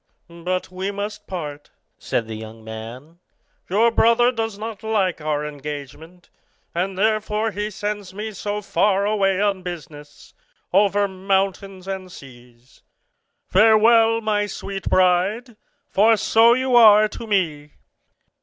"But we must part," said the young man; "your brother does not like our engagement, and therefore he sends me so far away on business, over mountains and seas. Farewell, my sweet bride; for so you are to me."